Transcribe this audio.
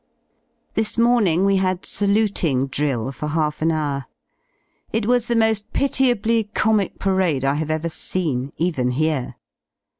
This morning we had saluting drill for half an hour. It was the mo^ pitiably comic parade I have ever seen, even here.